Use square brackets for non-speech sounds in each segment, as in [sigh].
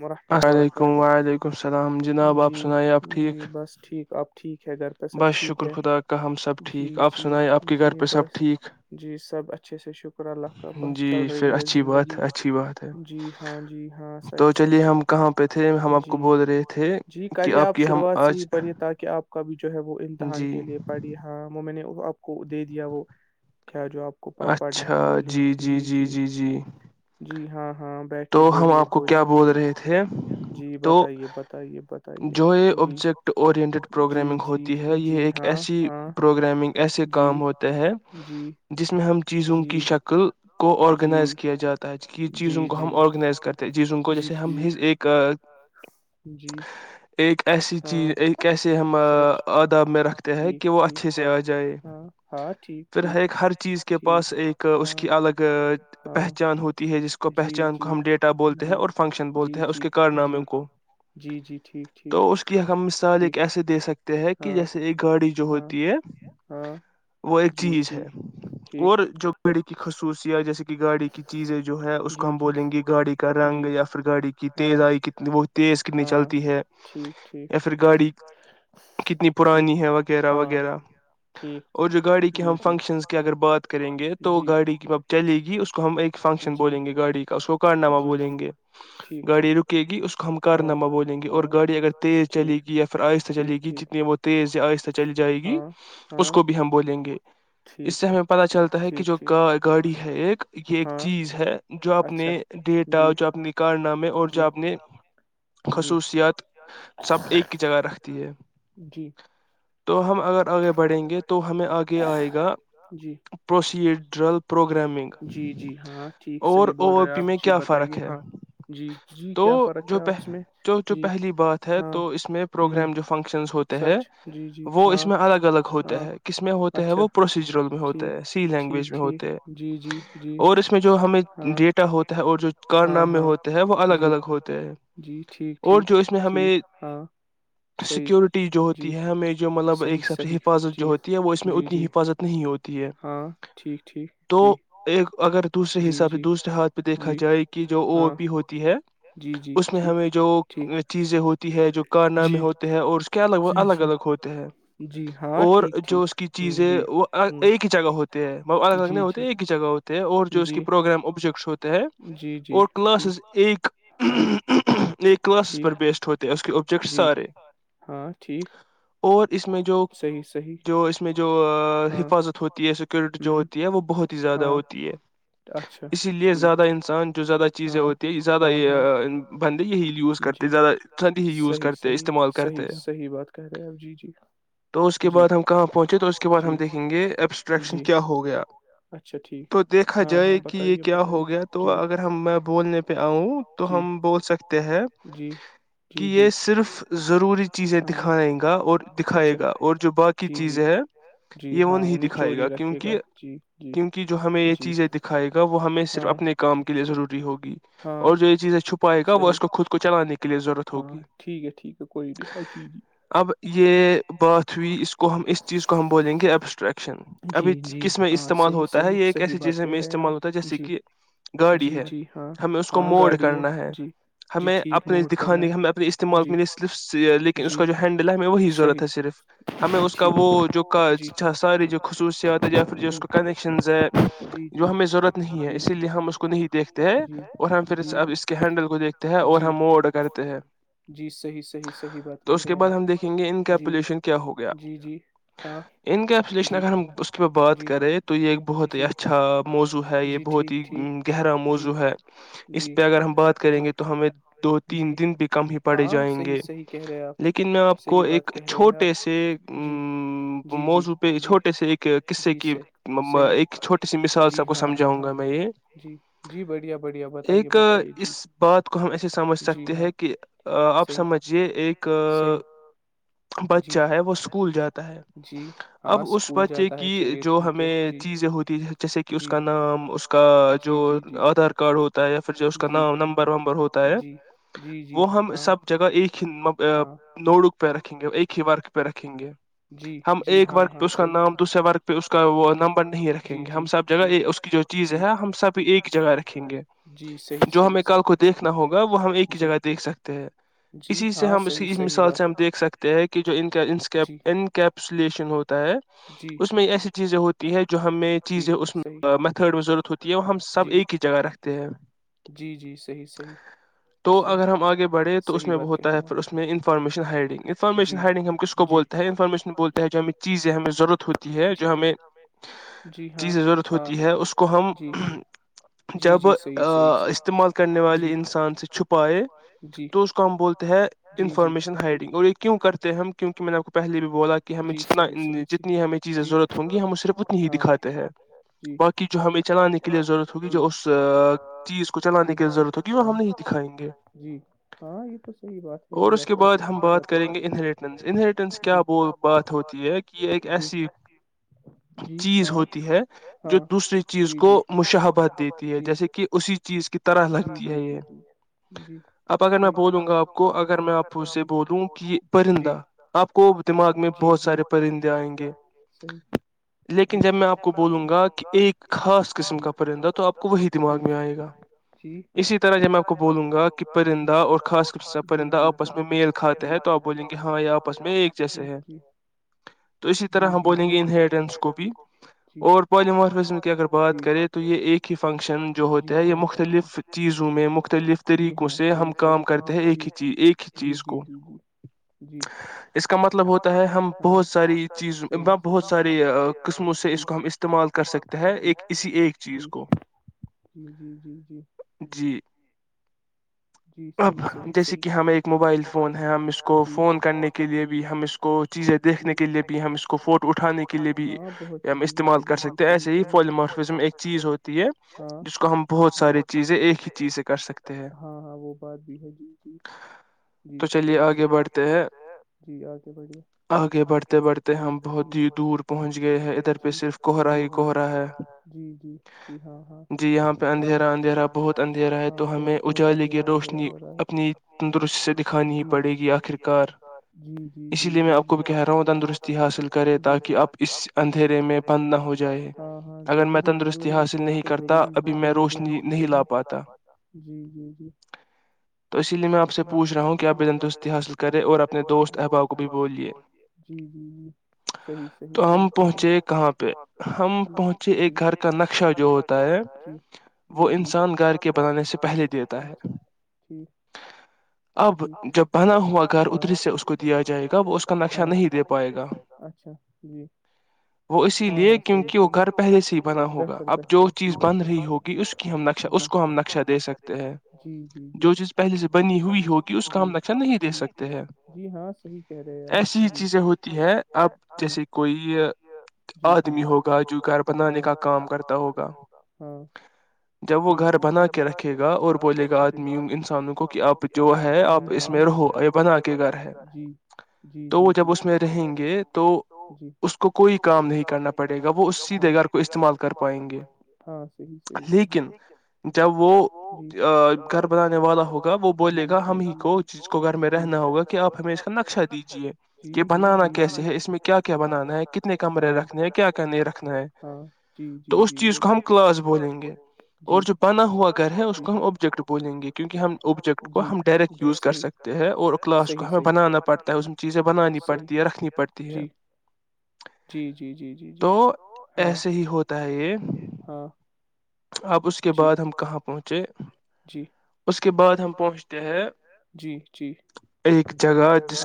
وورحمۃ ورکاتہ جی جی بس ٹھیک آپ گھر پہ سب ٹھیک ہے جی جی جی بس جی سب اچھا اچھ سے شک شکر اللہ کا بت چل رہی ہے زندگی جی ہاں جی ہاں سچ چ جی جی کریے آپ شروعات سے ہی پڑھیے تاکہ آپ کا بھی جو ہے وہ امتحان کے لیے پڑھیے ہاں میں نے آپ کو دے دیا وہ اچھا جی جی جی جی جی جی ہاں ہاں بیٹھیے بولیے بولیے جی جی بتائیے بتائیے بت جو یہ آبجیکٹ اورنٹیڈ پروگرامنگ ہوتی ہے یہ ایک ایسی پروگرامنگ ایسے کام ہوتا ہے جس میں چیزوں کی شکل کو آرگنائز کیا جاتا ہے کہ چیزوں کو ہم آرگنائز کرتے چیزوں کو جیسے ہم ایک ایک ایسی چیز ایک ایسے ہم آداب میں رکھتے ہیں کہ وہ اچھے سے آ جائے پھر ایک ہر چیز کے پاس ایک اس کی الگ پہچان ہوتی ہے جس کو پہچان کو ہم ڈیٹا بولتے ہیں اور فنکشن بولتے ہیں اس کے کارنامے کو جی جی ٹھیک ٹھیک ہم مثال ایک ایسے دے سکتے ہیں کہ جیسے ایک گاڑی جو ہوتی ہے وہ ایک چیز ہے اور جو گاڑی کی خصوصیات جو گاڑی کی چیزیں جو ہے اس کو ہم بولیں گے گاڑی کا رنگ یا پھر گاڑی کی تیز آئی کتنی وہ تیز کتنی چلتی ہے یا پھر گاڑی کتنی پرانی ہے وغیرہ وغیرہ اور جو گاڑی کے ہم فنکشن کی اگر بات کریں گے تو گاڑی اب چلے گی کو ہم ایک فنکشن بولیں گے گاڑی کا اس کو کارنامہ بولیں گے گاڑی رکے گی اس کو ہم کارنامہ بولیں گے اور گاڑی اگر تیز چلے گی یا پھر آہستہ چلے گی جتنی وہ تیز یا آہستہ چل جائے گی اس کو بھی ہم بولیں گے اس سے ہمیں پت چلتا ہے کہ جو گاڑی ہے یہ ایک چیز ہے جو اپپنے ڈیٹا جو اپنے کارنامے اور جو اپنے خصوصیات سب ایک کی جگہ رکھتی ہے تو ہم اگر آگے بڑھیں گے تو ہمیں آگے آئے گا پروسیجرل پروگرامنگ اور او او پی میں کیا فرق ہے تو جو جو جو پہلی بات ہے تو اس میں پروگرام جو فنکشنز ہوتے ہیں وہ وہ اس میں الگ الگ ہوتا ہے کس میں ہوتا ہے وہ پروسیجرل میں ہوتا ہے سی لینگویج میں ہوتے ہے اور اس میں جو ہمیں ڈیٹا ہوتا ہے اور جو کارنام میں ہوتا ہے وہ الگ الگ ہوتے ہے اور جو اس میں ہمیں سیکیورٹی جو ہوتی ہے ہمیں جو جو مطلب ایک سب سے حفاظت جو ہوتی ہے وہ اس میں اتنی حفاظت نہیں [unintelligible] ہے تو ایک اگر دوسرے حساب سے دوسرے ہاتھ پہ دیکھا جائے کہ جو او او پی ہوتی ہے اس میں ہمیں جو چیزیں ہوتی یہ ہے جو کارنامے ہوتے ہیں اور کیا الگ وہ الگ الگ ہوتے ہیں اور جو اس کی چیزیں وہ ایک ہی جگہ ہوتی م الگ الگ نہیں ہوتے ایک ہی جگہ ہو تو اور جو اس کی پروگرام [unintelligible] ہیں اور کلاسز ایک یہ کلاسز پر بیسڈ ہوتے ہیں اس کے جی ہاں ٹھیک [unintelligible] اس میں جو جو اس میں تو حفاظت ہوتی ہے ٹی جو ہوتی ہے وہ زیادہ ہوتی ہے اسی لیے زیادہ انسان جو زیادہ چیزیں ہوتی ہیں زیادہ یوز کرتے زیادہد ہی یوز کرتے استعمال کرتے تو اس کے بعد ہم کہاں پہنچے تو اس کے بعد ہم دیکھیں گے ایبسٹریکشن کیا ہو گیا تو دیکھا جائے کہ یہ کیا ہو گیا تو اگر ہم میں بولنے آؤں تو ہم بہت ہے کہ یہ صرف ضروری چیزیں دکھا رہے گا اوٹ دکھائے گا اور جو باقی چیزیں ہے یہ وہ نہیں دکھائے گا کیونکہ کیونکہ جو ہمیں یہ چیزیں دکھائے گا وہ ہمیں صرف اپنے کام کے لیے ضروری ہوگی اور جو یہ چیزیں چھپ کہ وہ اس کو خود کو چلانے کا ہاں ٹھیک ہے ٹھیک ہے کوئی نہیں ہر جی جی یہ بات ہوئی اس کو ہم اس چیز کو ہم بولیں گے ایبسٹریکشن ابھی کس میں استعمال ہوتا ہے یہ ایک ایسی چیز میں استعمال ہوتا ہے جیسے کہ گاڑی ہے ہمیں اس کو موڈ کرنا ہے ہمیں اپنے دکھانے ہمیں اپنے استعمال کے لیے صرف لیکن اس کا جو ہینڈل ہے ہمیں وہی ضرورت ہے صرف ہمیں اس کا وہ جو ساری جو خصوصیات ہے یا پھر جو اس کا کنیکشنز ہے جو ہمیں ضرورت نہیں ہے اسی لیے ہم اس کو نہیں دیکھتے ہے اور ہم پھر اب اس کے ہینڈل دیکھتے ہیں اور ہم وہ آڈ کرتے ہیں تو اس کے بعد ہم دیکھیں گے ان کیپولیشن کیا ہو گیا ان کا اپلیشن اگر ہم اس کے پ بات کریں تو یہ ایک بہت ہی اچھا موضوع ہے یہ بہت ہی گہرا موضوع ہے اس پہ اگر ہم بات کریں گے تو ہمیں دو تین دن بھی کم ہی پڑے جائیں گے لیکن میں آپ کو ایک چھوٹے سے ا موضوع پہ چھوٹے سے ایک قصے کی ایک چھوٹے سی مثال سب کو سمجھاؤں گا میں یہ ایک اس بات کو ہم سمجھ سکتے ہیں کہ آپ سمجھیے ایک بچہ ہے وہ اسکول جاتا ہے اب اس بچے کی جو ہمیں چیزیں ہوتی جیسے کہ اس کا نام اس کا جو آدھار کارڈ ہوتا ہے یا پھر جو نام نمبر ومبر ہوتا ہے وہ ہم سب جگہ ایک ہی نوڈ کو پہ رکھیں گے ایک ہی وورگ پہ رکھیں گے ہم ایک ورگ پہ اس کا نام دوسرے ورگ پہ اس وہ نمب نہیں رکھیں گے ہم سب جگہ اس کی جو چیز ہے ہم سب ایک جگہ رکھیں گے ہمیں کال کو دیکھنا ہوگا وہ ہم ایک ہی جگہ دیکھ سکتے ہیں اسی سے ہم اس اس مثال سے ہم دیکھ سکتے ہیں کہ جو انک انکپ سلیپ ہو ہے اس میں ایسی چیزیں ہوتی تیح جو ہمیں چیزیں اس میتھڈ میں ضرورت ہوتی ہے وہ ہم سب ایک ہی جگہ رکھتے ہیں تو اگر ہم آگے بڑھیں تو اس میں وہ ہوتا ہے پھر اس میں انفارم مش ہائڈنگ انفارمیش ہائڈنگ ہم کس کو بول ہیں انفارمیشن بولتے تا میں چیز یہاں ہم میں ضورت ہوت ہے جو ہمیں چیز کی ضرورت ہوتی ہے اس کو ہم جب اس استعمال کرنے والے انسان سے چھپائے تو اس کو ہم بولتے ہیں انفارمیشن ہائڈنگ اور یہ کیوں کرتے ہم کیونک میں نے آپ کو پہلی بھی بولا کہ ہمیں جتنا جتنی ہمیں چیزیں ضرورت ہوں گی ہمیں صرف اتنی ہی دکھاتے ہیں باقی جو ہمیں چلانے کے لیے ضرورت ہوگی جو اس تیس چلانے کی ضرورت ہوگی وہ ہم نہیں دکھائیں گے اور اس کے بعد ہم بات کریں گے انہریٹنس انہریٹنس کیا بات ہوتی ہے کہ یہ ایک ایسی چیز ہوتی ہے جو دوسری چیز کو مشبت دیتی ہے جیسے کہ اسی چیز کی طرح لگتی ہے یہ اب اگر میں بولوں گا آپ کو اگر میں آپ سے بولوں کہ پرندہ آپ کو دماغ میں بہت سارے پرندے آئیں گے لیکن جب میں آپ کو بولوں گا کہ ایک خاص قسم کا پرندہ تو آپ کو وہی دماغ میں آئے گا اسی طرح جب میں آپ کو بولوں گا کہ پرندہ اور خاص کر سے سب پرندہ آپس میں میل کھاتے ہے تو آپ بولیں گے ہاں یہ آپس میں ایک جیسے ہے تو اسی طرح ہم بولیں گے انہریٹینس کو بھی اور پوجت فزم کی اگر بات کریں تو یہ ایک ہی فنکشن جو ہوتا ہے یہ مختل مختلف چیزوں میں مختلف طریقوں سے ہم کام کرتے ہیں ایک ہی چیز ایک ہی چیز کو اس کا مطلب ہوتا ہے ہم بہت ساری چیز بہت سارے قسموں سے اس کو ہم استعمال کر سکتے ہیں جی ہے ایک ہی جی جی جی جی جی اب جیسے کہ ہمیں ایک موبائل فون ہے ہم اس کو فون کرنے کے لیئے بھی ہم اس کو چیزیں دیکھنے کے لیئے بھی ہم اس کو فوٹو اٹھانے کے لیے بھی ہم استعمال کر سکتے ہیں ایسے ہی فلی مفزم ایک چیز ہوتی ہے جس کو ہم بہت سارے چیزیں ایک ہی چیز سے کر سکتے ہیں ہاں ہاں وہ بات بھی ہے جی جی جی صحیححی آگے بڑھتے ہیں جی آگے بڑھیے آگے بڑھتے بڑھتے ہم بہت ہی دور پہنچ گئےدھر م کو رہا ہے جی جی جی ہاں ہاں ج ہاں ا بہت اندھیا ہے تو ہمیں اچ جالے کی روشنی اپنی تندرستی سے دکھانی ہی پڑے گی آخرکار اسی لیے میں آپ کو بھی کہہ رہا ہوں تندرستی حاصل کریں تاکہ آپ اس اندھیرے میں بند نہ ہو جائے اگر میں تندرستی حاصل نہیں کرتا ابھی میں روشنی ل پاا جی جی جی تو اسی لیے میں آپ آ سے پوچھ رہا ہوں کہ آپ بنرستی حاصل کرے اور اپنے دوست احباب کو بھی بولیے تو ہم پہنچے کہاں پہ ہم پہنچے ایک گھر کا نقشہ جو ہوتا ہے وہ انسان گار کے بنانے سے پہلے دیتا ہے اب جب بنا ہوا ار اتری سے اس کو دیا جائے گا کب اس کا نقشہ نہیں دے پائے گا اچھا جی وہ اسی لیے کہ کیونکہ وہ گھر پہلے سے ہی بنا ہوگا اب جو چیز بن رہی ہوگی اس کے کہ ہم نقشہ اس کو ہم نقشہ دے سکتے ہیں جو چیز پہلے سے بنی ہوئی ہوگی اس کا ہم نقشہ نہیں دے سکتے ہیں ایسی ہی چیزیں ہوتی ہے اب جیسے کوئی جی ہ آدمی ہوگا جو گھر بنانے کا کام کرتا ہوگا ج جب وہ گھر بنا کے رکھے گا اور بولے گا آدمیوں انسانوں کو کہ آپ جو ہے آپ اس رہ بنا کے گ ج جی جی جی وہ جب اس میں رہیں گے تو اس کو کوئی کام نہیں کرنا پڑے گا وہ سیدھے گھر کو استعمال کر پائیں گےیححیححی جب وہ گھر بنانے والا ہوگا وہ بولے گا ہم ہی کو اس چیز کو گھر میں رہنا ہوگا کہ آپ ہمیں اس کا نقشہ دیجیے کہ بنانا کیسے ہے اس میں کیا کیا بنانا ہے کتنے کمرے رکھنے ہیں کیا کیا نہیں رکھنا ہے تو اس چیز کو ہم کلاس بولیں گے اور جو بنا ہوا گھر ہے اس کو ہم اوبجیکٹ بولیں گے کیونکہ ہم اب سبجیکٹ کو ہم ڈائریکٹ یوز کر سکتے ہیں اور کلاس کو ہمیں بنانا پڑتا ہے اس میں چیزیں بنانی پڑتی ہے رکھنی پڑتی ہے تو ایسے ہی ہوتا ہے یہ ہاں اب اس کے بعد ہم کہاں پہنچے جی اس کے بعد ہم پہنچتے ہیں جی جی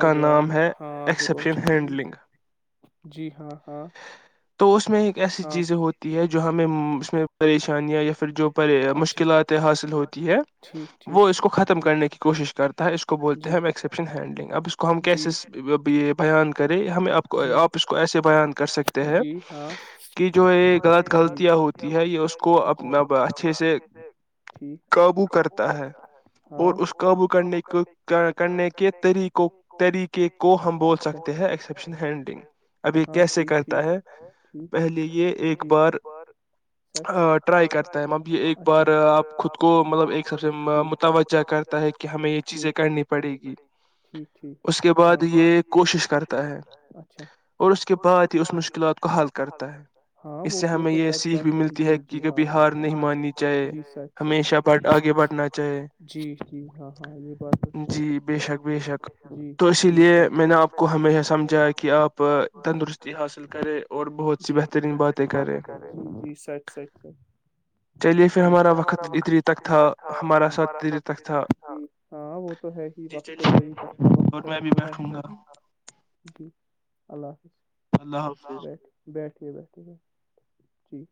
آگے آگے ہاں آگے پہنچے جی ہاں ہاں ایسی چیزیں ہوتی ہے جو ہمیں اس میں پریشانیاں یا پھر جو پر مشکلاتیں حاصل ہوتی ہے وہ اس کو ختم کرنے کی کوشش کرتا ہے اس کو کو بولتے ہیں ہم ایکسیپشن ہینڈ اب کم کیسس بیان کر ہمیں آ کو آپ اس کو ایسے بیان کر کر سک ہیں کہ جو یہ غلط غلطیاں ہوتی ہے یہ اس اس کو اپنا اچھے سے قابو کرتا ہے اور اس قبو کرنے کے طریقے کے کو ہم بول سکتے ہیں ایکسیپشن ہینڈ ابھی کیسے کرتا ہے پہلے یہ ایک اکبر ٹرائی کرتا ہے م اب یہ ایک بار آپ خود کو مطلب ایک سب سے متوجہ کرتا ہے کہ ہمیں یہ چیزیں کرنی پ پڑے گی اس کے بعد تو یہ کوشش کرتا ہے اچھا بات ہی اس مشکلات کو حل کرتا ہے اس سے ہمیں یہ سیکھ بھی ملتی ہے کہ کبھی ہار نہیں ماننی چاہے ہمیشہ ب آگے بڑھنا چاہے جی جی ہاں ہاں یہ بات ہے ب شک تو اسی لیے میں نے آپ کو ہمیشہ سمجھا کہ آپ تندرستی حاصل کریں اور بہت س سی بہترین باتیں کریں اچ اچ ج ہمارا وقت ادھر تک تھا ہمارا سات اد تک تھا ہاں وہ تو ہے ہی وقت تو ادھر ہی تک تھا وقت بھی گ ج اللہ حافظ بیٹھ بیٹھے بیٹھ جی ٹھیک